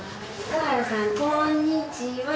こんにちは。